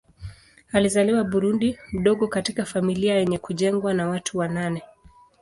Alizaliwa Burundi mdogo katika familia yenye kujengwa na watu wa nane.